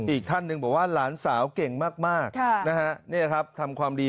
อีกท่านหนึ่งบอกว่าหลานสาวเก่งมากนะฮะนี่ครับทำความดี